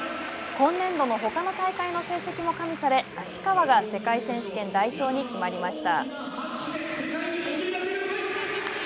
今年度のほかの大会の成績も加味され芦川が世界選手権代表に決まりました。